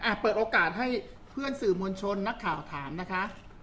เปิดโอกาสให้เพื่อนสื่อมวลชนนักข่าวถามนะคะ